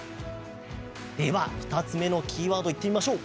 では、２つ目のキーワードいってみましょう。